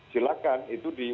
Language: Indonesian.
silakan itu diundang undang